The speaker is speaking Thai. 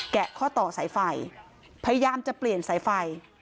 ข้อต่อสายไฟพยายามจะเปลี่ยนสายไฟ